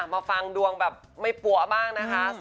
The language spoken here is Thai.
มาฟังดวงแบบไม่ปั๊วบ้างนะคะ